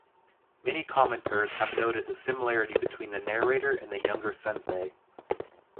Many commentators have noted the similarity between the narrator and the younger Sensei.